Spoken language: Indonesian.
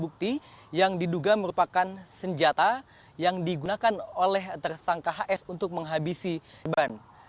bukti yang diduga merupakan senjata yang digunakan oleh tersangka hs untuk menghabisi ban